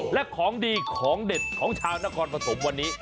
และของดีของเด็ดของชาวนครปฐมวันนี้